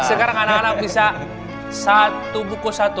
sekarang anak anak bisa satu buku satu